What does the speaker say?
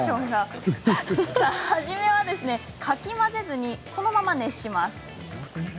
初めは、かき混ぜずにそのまま熱します。